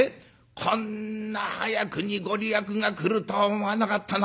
こんな早くに御利益が来るとは思わなかったな。